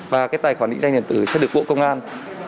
và cái tài khoản định danh điện tử sẽ được bộ công an